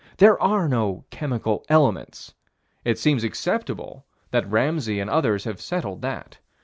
There are no chemical elements. It seems acceptable that Ramsay and others have settled that.